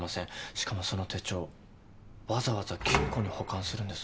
しかもその手帳わざわざ金庫に保管するんです。